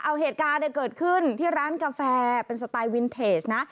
เอาเหตุการณ์เกิดขึ้นที่ร้านกาแฟเป็นสไตล์วินเทจนะ